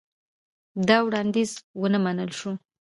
دا وړاندیز ونه منل شو.